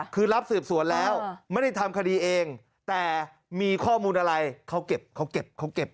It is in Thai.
คือรับสืบสวนแล้วไม่ได้ทำคดีเองแต่มีข้อมูลอะไรเขาเก็บเขาเก็บเขาเก็บ